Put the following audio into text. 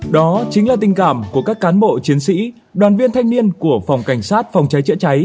đó chính là tình cảm của các cán bộ chiến sĩ đoàn viên thanh niên của phòng cảnh sát phòng cháy chữa cháy